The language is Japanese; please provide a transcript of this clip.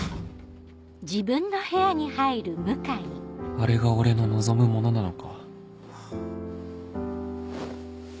あれが俺の望むものなのか